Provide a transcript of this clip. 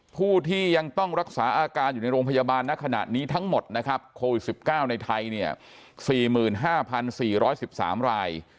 ผู้ที่ยังต้องรักษาอาการอยู่ในโรงพยาบาลณขณะนี้ทั้งหมดนะครับโควิด๑๙ในไทยเนี่ย๔๕๔๑๓ราย